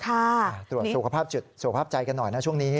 ตรวจสุขภาพใจกันหน่อยนะช่วงนี้